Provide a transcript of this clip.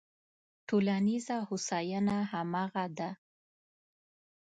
ټولنیزه هوساینه همغه ده.